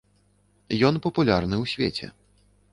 Ён папулярны ў свеце.